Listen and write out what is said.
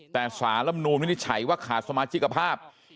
แต่สารลำนูนวินิจฉัยว่าขาดสมาชิกภาพ